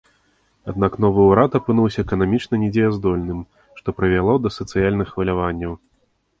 Аднак новы ўрад апынуўся эканамічна недзеяздольным, што прывяло да сацыяльных хваляванняў.